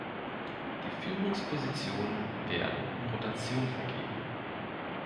Die Führungspositionen werden in Rotation vergeben.